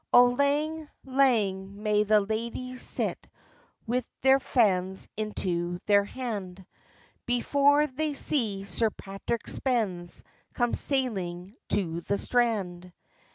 O lang, lang may the ladyes sit, Wi' their fans into their hand, Before they see Sir Patrick Spens Come sailing to the strand!